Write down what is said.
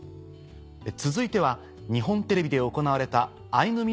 続いては日本テレビで行われた。